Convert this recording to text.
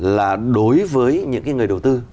là đối với những cái người đầu tư